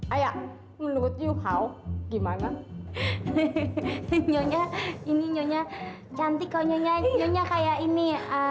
ayah menurut you how gimana ini nyonya cantik kau nyanyinya kayak ini